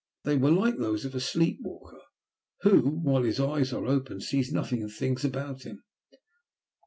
They were like those of a sleep walker who, while his eyes are open, sees nothing of things about him.